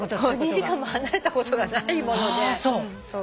２時間も離れたことがないもので。